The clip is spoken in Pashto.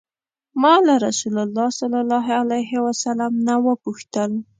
ما له رسول الله صلی الله علیه وسلم نه وپوښتل.